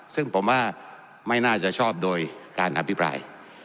ซึ่งผมว่าไม่น่าจะชอบโดยการอภิปราย